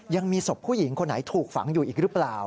ยังมีศพผู้หญิงคนไหนถูกฝังอยู่อีกหรือเปล่า